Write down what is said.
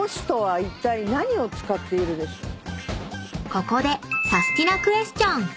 ［ここでサスティなクエスチョン］